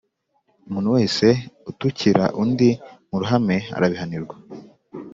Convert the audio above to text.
Umuntu wese utukira undi mu ruhame arabihanirwa